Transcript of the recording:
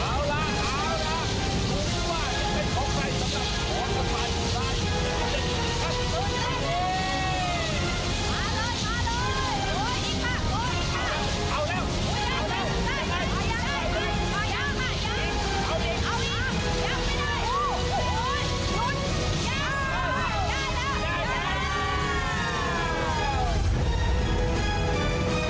ยัง